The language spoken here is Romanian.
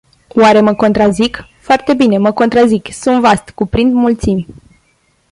Oare mă contrazic? Foarte bine, mă contrazic. Sunt vast, cuprind mulțimi.